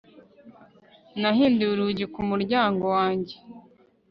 Nahinduye urugi ku muryango wanjye